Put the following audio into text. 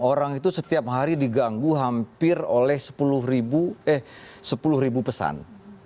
orang itu setiap hari diganggu hampir oleh sepuluh ribu pesan